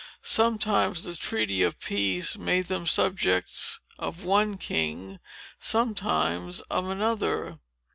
Sometimes the treaty of peace made them subjects of one king, sometimes of another.